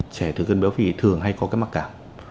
trẻ thừa cân béo phì thường hay có các mắc cảm